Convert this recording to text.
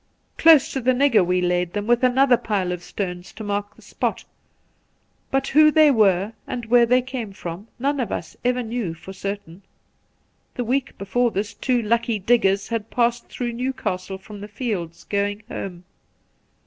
Close to the nigger we laid them, with another pile of stones to mark the spot ; but who they were and where they came from none of us ever knew for certain. The week before this two lucky diggers had passed through Newcastle from the fields, going' home.